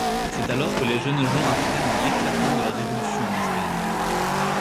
C'est alors que les jeunes gens apprennent l'éclatement de la révolution en Espagne.